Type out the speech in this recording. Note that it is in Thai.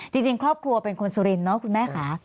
จริงครอบครัวเป็นคนสุรินทเนอะคุณแม่ค่ะ